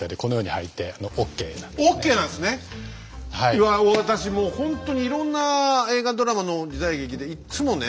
うわ私もうほんとにいろんな映画・ドラマの時代劇でいっつもね